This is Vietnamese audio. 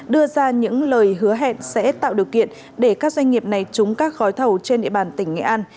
đưa ra những lời hứa hẹn sẽ tạo điều kiện để các doanh nghiệp này trúng các gói thầu trên địa bàn tỉnh nghệ an